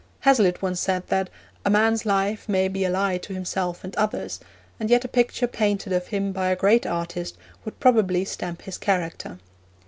Hazlitt once said that 'A man's life may be a lie to himself and others, and yet a picture painted of him by a great artist would probably stamp his character.'